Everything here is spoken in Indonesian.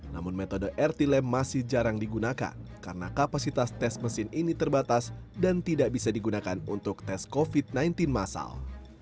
namun metode rt lab masih jarang digunakan karena kapasitas tes mesin ini terbatas dan tidak bisa digunakan untuk tes covid sembilan belas masal